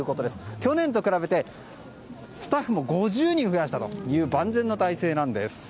去年と比べてスタッフを５０人増やしたという万全の体制なんです。